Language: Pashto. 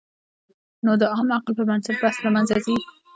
نو د عام عقل پر بنسټ بحث له منځه ځي.